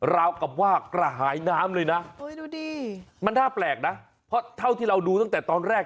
ราวกับว่ากระหายน้ำเลยนะมันน่าแปลกนะเพราะเท่าที่เราดูตั้งแต่ตอนแรก